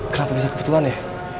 kenapa bisa kebetulan ya